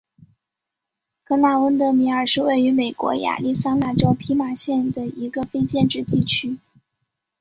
科纳温德米尔是位于美国亚利桑那州皮马县的一个非建制地区。